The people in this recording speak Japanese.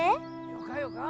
よかよか。